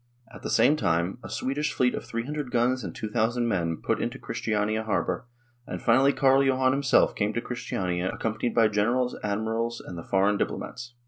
At the same time a Swedish fleet of 300 guns and 2,000 men put into Christiania harbour, and finally Carl Johan himself came to Christiania accompanied by generals, admirals, and the foreign diplomats.